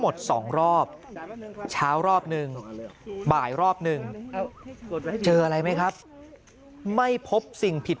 สองรอบเช้ารอบหนึ่งบ่ายรอบหนึ่งเจออะไรไหมครับไม่พบสิ่งผิด